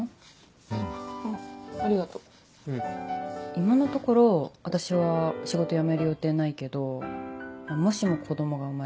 今のところ私は仕事辞める予定ないけどもしも子供が生まれたり。